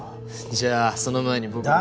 じゃあその前に僕が。